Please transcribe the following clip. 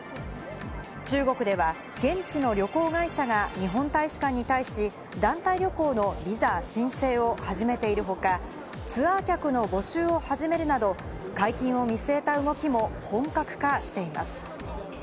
中国では現地の旅行会社が日本大使館に対し、団体旅行のビザ申請を始めている他、ツアー客の募集を始めるなど、解禁を見据えた動きも本格化しています。